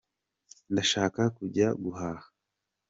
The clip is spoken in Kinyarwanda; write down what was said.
Ndashaka kujya guhaha.